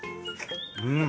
うん！